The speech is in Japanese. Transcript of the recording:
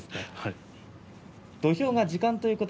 土俵が時間です。